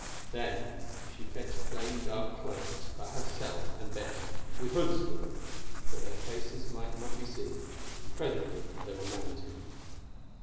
Then she fetched plain dark cloaks for herself and Betty, with hoods to them, that their faces might not be seen, and presently they were mounted.